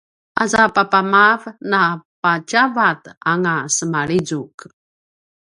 aza papamav napatjavat anga semalizuk